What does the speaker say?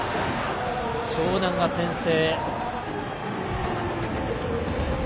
湘南が先制。